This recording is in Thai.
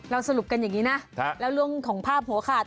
สรุปกันอย่างนี้นะแล้วเรื่องของภาพหัวขาด